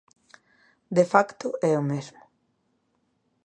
De facto é o mesmo.